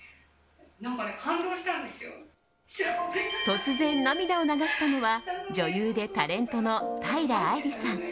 突然、涙を流したのは女優でタレントの平愛梨さん。